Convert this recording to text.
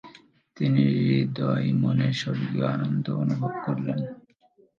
তিনি হৃতয় মনে স্বর্গীয় আনন্দ অনুভব করলেন।